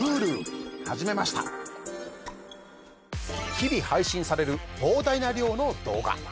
日々配信される膨大な量の動画。